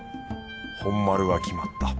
本丸は決まった。